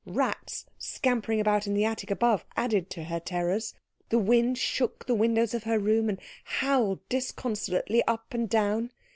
Rats scampering about in the attic above added to her terrors. The wind shook the windows of her room and howled disconsolately up and down.